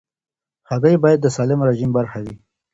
هګۍ باید د سالم رژیم برخه وي.